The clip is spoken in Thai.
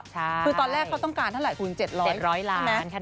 คือตอนแรกเขาต้องการเท่าไหร่คุณ๗๐๐ล้านใช่ไหม